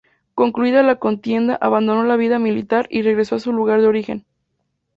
Concluida la contienda abandonó la vida militar y regresó a su lugar de origen.